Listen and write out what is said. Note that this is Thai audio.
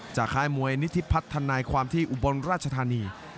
ค่ายมวยนิธิพัฒนายความที่อุบลราชธานี